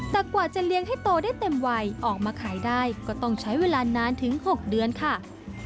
แต่กว่าจะเลี้ยงให้โตได้เต็มวัยออกมาขายได้ก็ต้องใช้เวลานานถึง๖เดือนค่ะ